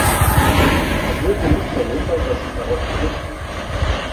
Es wird Sie nicht verwundern, dass ich darauf zurückkomme.